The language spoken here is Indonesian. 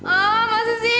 ah masih sih